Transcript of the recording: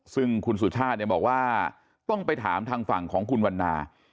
ซึ่งคุณสุชาติเนี่ยบอกว่าต้องไปถามทางฝั่งของคุณวันนา